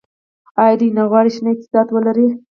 آیا دوی نه غواړي شنه اقتصاد ولري؟